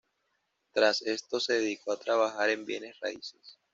Tras esto se dedicó a trabajar en bienes raíces.